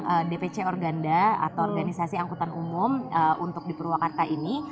dari dpc organda atau organisasi angkutan umum untuk di purwakarta ini